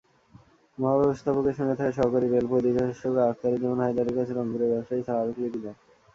মহাব্যবস্থাপকের সঙ্গে থাকা সহকারী রেল পরিদর্শক আখতারুজ্জামান হায়দারের কাছে রংপুরের ব্যবসায়ীরা স্মারকলিপি দেন।